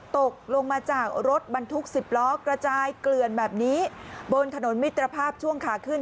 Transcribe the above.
ตกลงมาจากรถบรรทุก๑๐ล้อกระจายเกลือนแบบนี้บนถนนมิตรภาพช่วงขาขึ้น